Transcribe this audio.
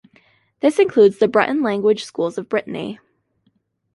This includes the Breton language schools of Brittany.